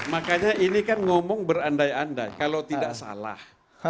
makanya ini kan ngomong berandai andai kalau tidak salah